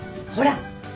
ほら！